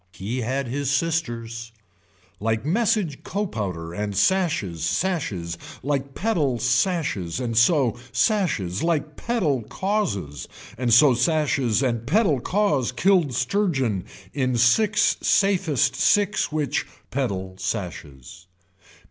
He had his sisters. Like message copowder and sashes sashes, like pedal sashes and so sashes, like pedal causes and so sashes, and pedal cause killed surgeon in six safest six which, pedal sashes.